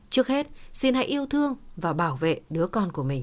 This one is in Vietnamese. trước hết xin hãy yêu thương và bảo vệ đứa con của mình